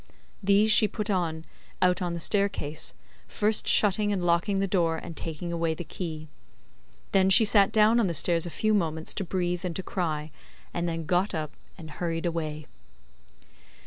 These she put on, out on the staircase, first shutting and locking the door and taking away the key. She then sat down on the stairs a few moments to breathe and to cry, and then got up and hurried away.